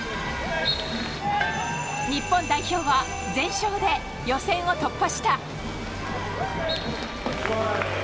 日本代表は全勝で予選を突破した。